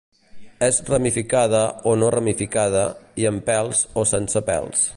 És ramificada o no ramificada i amb pèls o sense pèls.